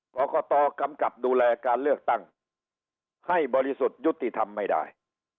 กรกตกำกับดูแลการเลือกตั้งให้บริสุทธิ์ยุติธรรมไม่ได้